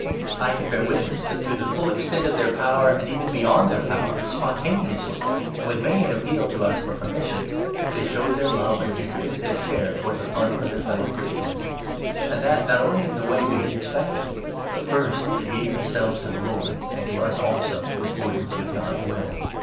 I can bear witness that to the full extent of their power, and even beyond their power, spontaneously, and with many an appeal to us for permission, they showed their love, and contributed their share towards the fund for their fellow Christians. And that, not only in the way we had expected ; but first they gave themselves to the Lord, and to us also, in accordance with God's will.